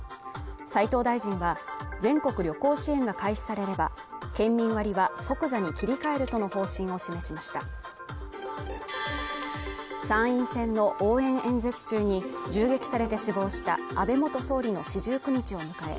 斉藤大臣は全国旅行支援が開始されれば県民割は即座に切り替えるとの方針を示しました参院選の応援演説中に銃撃されて死亡した安倍元総理の四十九日を迎え